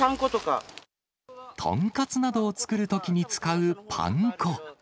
豚カツなどを作るときに使うパン粉。